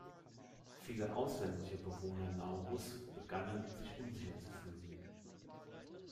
Viele ausländische Bewohner Naurus begannen, sich unsicher zu fühlen.